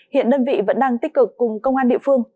hiện đơn vị vẫn đang tích cực cùng công an địa phương